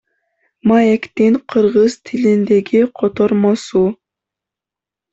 Маектин кыргыз тилиндеги котормосу.